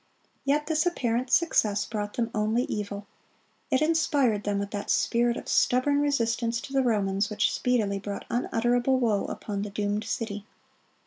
Yet this apparent success brought them only evil. It inspired them with that spirit of stubborn resistance to the Romans which speedily brought unutterable woe upon the doomed city.